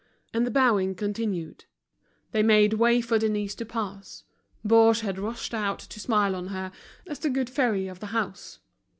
And the bowing continued, they made way for Denise to pass, Baugé had rushed out to smile on her, as the good fairy of the house.